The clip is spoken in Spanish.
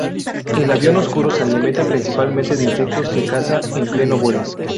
El avión oscuro se alimenta principalmente de insectos que caza en pleno vuelo.